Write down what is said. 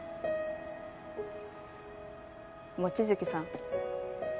望月さん